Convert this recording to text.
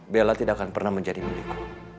bella tidak akan pernah menjadi milik